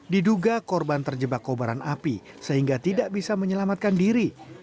diduga korban terjebak kobaran api sehingga tidak bisa menyelamatkan diri